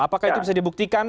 apakah itu bisa dibuktikan